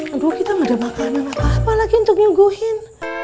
aduh kita ga ada makanan apa lagi untuk nyuguhin